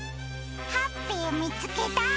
ハッピーみつけた！